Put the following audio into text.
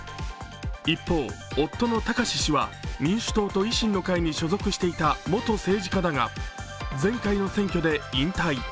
一方、夫の貴志氏は民主党と維新の会に所属していた元政治家だが前回の選挙で引退。